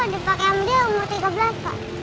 dipakai md umur tiga belas pak